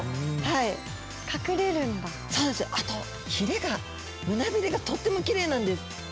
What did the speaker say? あとヒレが胸ビレがとってもきれいなんです。